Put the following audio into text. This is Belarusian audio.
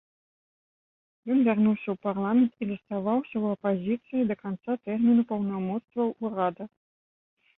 Ён вярнуўся ў парламент і заставаўся ў апазіцыі да канца тэрміну паўнамоцтваў урада.